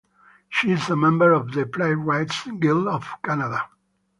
She is a member of the Playwrights Guild of Canada.